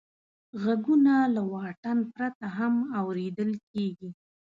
غږونه له واټن پرته هم اورېدل کېږي.